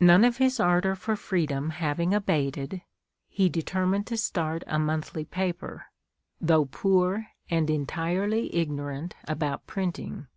None of his ardor for freedom having abated, he determined to start a monthly paper, though poor and entirely ignorant about printing.